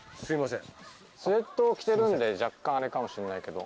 スエットを着てるんで若干あれかもしれないけど。